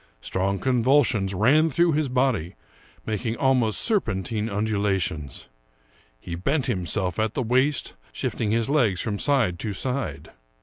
Strong convulsions ran through his body, making almost serpentine undulations. He bent him self at the waist, shifting his legs from side to side.